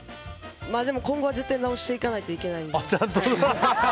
でも、今後は絶対直していかないといけないので。